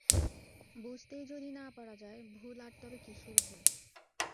বুঝতেই যদি না পারা যায়, ভুল আর তবে কিসের ভুল?